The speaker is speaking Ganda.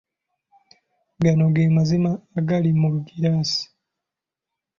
Gano gemazima agali mu giraasi.